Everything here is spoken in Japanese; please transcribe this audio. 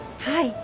はい。